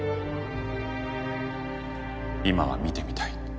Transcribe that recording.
今は見てみたい。